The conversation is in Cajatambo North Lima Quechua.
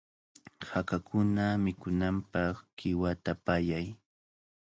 Hakakuna mikunanpaq qiwata pallay.